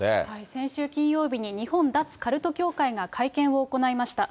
先週金曜日に日本脱カルト協会が会見を行いました。